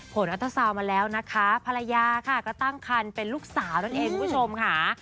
อัตเตอร์ซาวน์มาแล้วนะคะภรรยาค่ะก็ตั้งคันเป็นลูกสาวนั่นเองคุณผู้ชมค่ะ